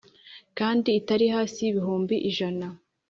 kandi itari hasi y’ibihumbi ijana.